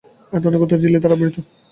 এর অন্তর্গাত্র ঝিল্লি দ্বারা আবৃত।